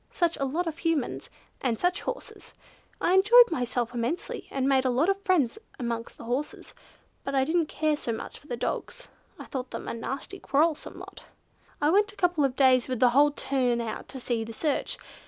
Such a lot of Humans! And such horses. I enjoyed myself immensely, and made a lot of friends amongst the horses, but I didn't care so much for the dogs; I thought them a nasty quarrelsome lot. "I went a couple of days with the whole turn out to see the search.